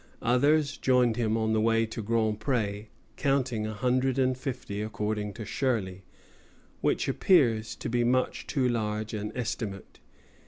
Others joined him on the way to Grand Pré, counting a hundred and fifty according to Shirley, which appears to be much too large an estimate.